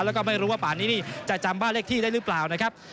แล้วก็ไม่รู้ว่าป่านนี้นี่จะจำบ้านเลขที่ได้หรือเปล่านะครับ